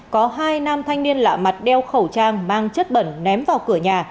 có hai nam thanh niên lạ mặt đeo khẩu trang mang chất bẩn ném vào cửa nhà